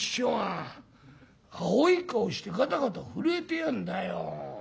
青い顔してガタガタ震えてやんだよ。